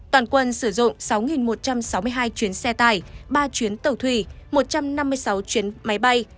toàn quân sử dụng sáu một trăm sáu mươi hai chuyến xe tải ba chuyến tàu thủy một trăm năm mươi sáu chuyến máy bay